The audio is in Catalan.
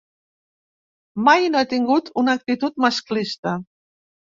Mai no he tingut una actitud masclista.